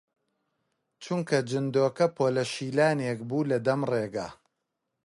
چونکە جندۆکە پۆلە شیلانێک بوو لە دەم ڕێگە